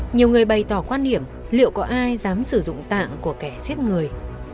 nhiều người bày tỏ quan điểm liệu có ai dám sử dụng tạng của kẻ giết người